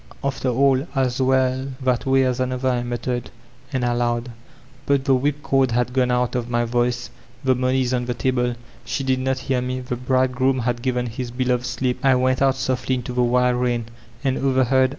^After an, as wen that way as another/' I mutt e r ed * and aloud (but the whip cord had gone out of my voice), •'The money is on the table." She did not hear me ; the Bridegroom 'liad given His Betoved Sleep." I went out softly into the wild rain, and overhead.